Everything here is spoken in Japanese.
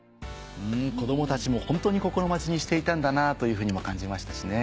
子供たちもホントに心待ちにしていたんだなというふうにも感じましたしね